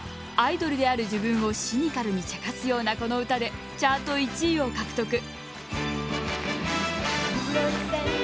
アイドルである自分をシニカルにちゃかすようなこの歌でチャート１位を獲得。